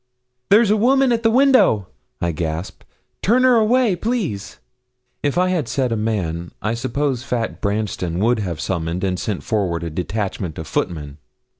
'There's a woman at the window!' I gasped; 'turn her away, please.' If I had said a man, I suppose fat Branston would have summoned and sent forward a detachment of footmen.